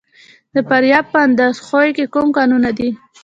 د فاریاب په اندخوی کې کوم کانونه دي؟